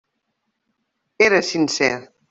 Era sincer.